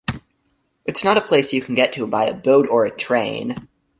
It's not a place you can get to by a boat, or a train.